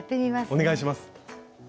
お願いします。